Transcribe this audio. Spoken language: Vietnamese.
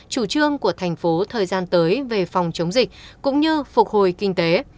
chủ trương của thành phố thời gian tới về phòng chống dịch cũng như phục hồi kinh tế